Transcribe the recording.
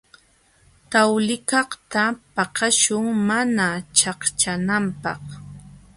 Tawlikaqta paqaśhun mana ćhaqćhananpaq.